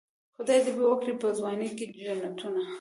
خدای به ورکي په ځوانۍ کې جنتونه.